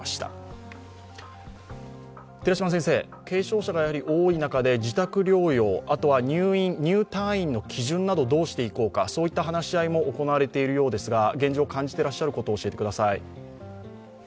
軽症者がやはり多い中で、自宅療養、あとは入退院の基準などをどうしていこうか、そういった話し合いも行われているようですが、現状、感じてらっしゃることを教えてください。